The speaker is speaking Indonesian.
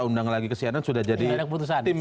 undang lagi kesianan sudah jadi tim